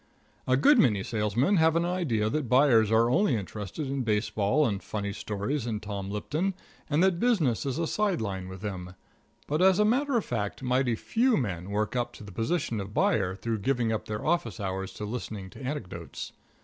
A good many salesmen have an idea that buyers are only interested in baseball, and funny stories, and Tom Lipton, and that business is a side line with them; but as a matter of fact mighty few men work up to the position of buyer through giving up their office hours to listening to anecdotes.